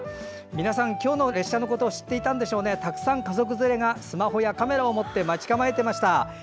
皆さん、今日の列車のことを知っていてたくさんの家族連れがスマホやカメラを持って待ち構えていました。